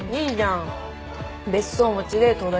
ん？